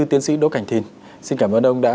tiến sĩ đỗ cảnh thìn xin cảm ơn ông đã